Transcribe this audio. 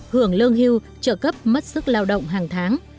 hưởng lương hưu trợ cấp mất sức lao động hàng tháng